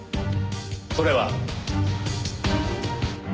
それは。